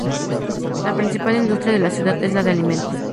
La principal industria de la ciudad es la de alimentos.